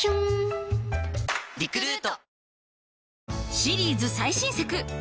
シリーズ最新作う！